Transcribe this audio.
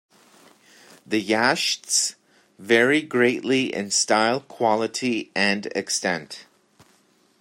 The "Yasht"s vary greatly in style, quality and extent.